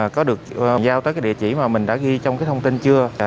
có được giao tới địa chỉ mà mình đã ghi trong thông tin chưa